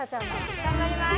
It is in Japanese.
頑張ります。